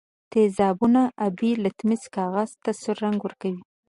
تیزابونه آبي لتمس کاغذ ته سور رنګ ورکوي.